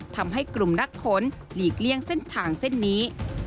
ทำให้กลุ่มนักขนหลีกเลี่ยงเส้นทางเส้นนี้